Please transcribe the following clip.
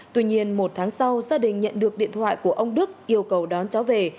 tuy nhiên một tháng sau gia đình nhận được điện thoại của ông đức yêu cầu đón cháu về